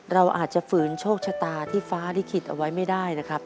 เราอาจจะฝืนโชคชะตาที่ฟ้าลิขิตเอาไว้ไม่ได้นะครับ